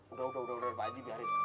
udah udah pak waji biarin